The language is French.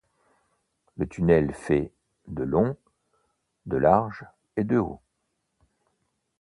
Le tunnel fait de long, de large et de haut.